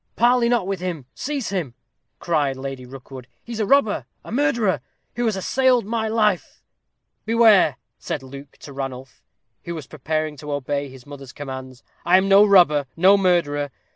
"Parley not with him seize him!" cried Lady Rookwood. "He is a robber, a murderer, who has assailed my life." "Beware!" said Luke to Ranulph, who was preparing to obey his mother's commands; "I am no robber no murderer.